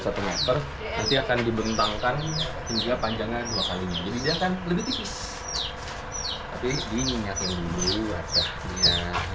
satu meter nanti akan dibentangkan hingga panjangnya dua kali lebih tinggi akan lebih